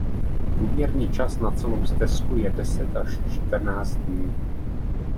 Průměrný čas na celou stezku je deset až čtrnáct dní.